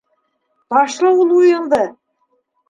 Ташла ул уйыңды!